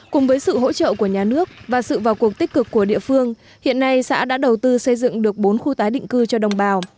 cùng với sự hỗ trợ của nhà nước và sự vào cuộc tích cực của địa phương hiện nay xã đã đầu tư xây dựng được bốn khu tái định cư cho đồng bào